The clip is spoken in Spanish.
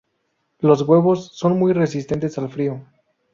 Los huevos son muy resistentes al frío.